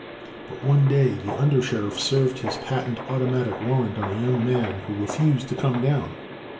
But one day the under sheriff served his patent automatic warrant on a young man who refused to come down.